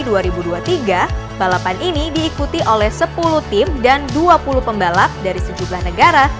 dan pada tahun dua ribu dua puluh tiga balapan ini diikuti oleh sepuluh tim dan dua puluh pembalap dari sejumlah negara